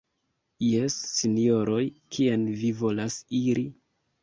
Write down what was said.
Jes, Sinjoroj, kien vi volas iri?